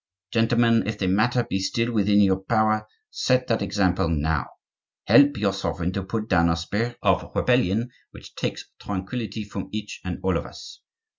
Gentlemen, if the matter be still within your power, set that example now; help your sovereign to put down a spirit of rebellion which takes tranquillity from each and all of us.